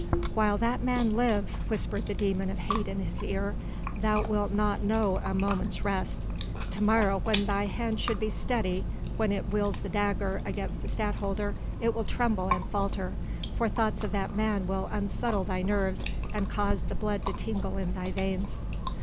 "While that man lives," whispered the demon of hate in his ear, "thou wilt not know a moment's rest. To morrow when thy hand should be steady when it wields the dagger against the Stadtholder, it will tremble and falter, for thoughts of that man will unsettle thy nerves and cause the blood to tingle in thy veins."